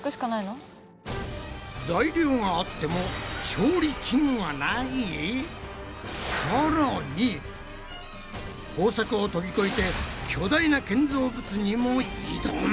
材料があっても工作を飛び越えて巨大な建造物にも挑む！？